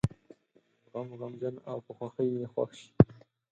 په غم غمجن او په خوښۍ یې خوښ شي.